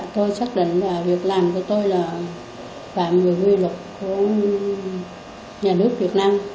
tôi xác định là việc làm của tôi là phạm người quy luật của nhà nước việt nam